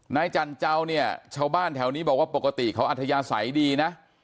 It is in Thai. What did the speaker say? จันเจ้าเนี่ยชาวบ้านแถวนี้บอกว่าปกติเขาอัธยาศัยดีนะ